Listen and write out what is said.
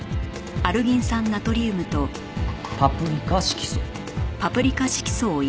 パプリカ色素。